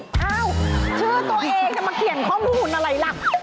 อ้าวชื่อตัวเองจะมาเขียนข้อมูลอะไรล่ะ